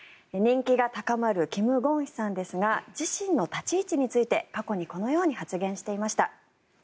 人気が高まるキム・ゴンヒさんですが自身の立ち位置について過去にこのように発言していました。